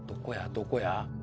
どこや？